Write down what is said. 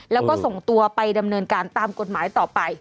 แล้วก็ส่งตัวไปดำเนินการตามกฎหมายต่อไป